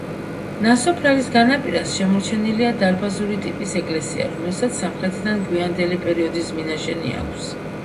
ნასოფლარის განაპირას შემორჩენილია დარბაზული ტიპის ეკლესია, რომელსაც სამხრეთიდან გვიანდელი პერიოდის მინაშენი აქვს.